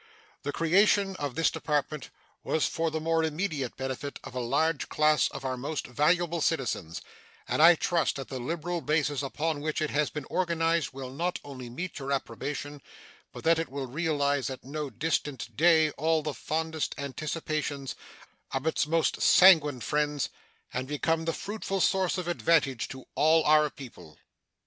The creation of this Department was for the more immediate benefit of a large class of our most valuable citizens, and I trust that the liberal basis upon which it has been organized will not only meet your approbation, but that it will realize at no distant day all the fondest anticipations of its most sanguine friends and become the fruitful source of advantage to all our people.